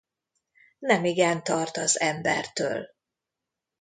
Nemigen tart az embertől.